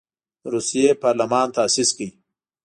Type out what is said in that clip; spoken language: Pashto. د روسیې پارلمان تاسیس کړ.